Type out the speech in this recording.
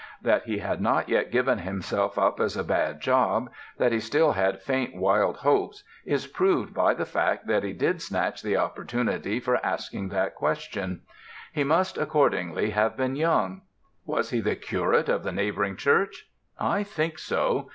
That he had not yet given himself up as a bad job, that he still had faint wild hopes, is proved by the fact that he did snatch the opportunity for asking that question. He must, accordingly, have been young. Was he the curate of the neighboring church? I think so.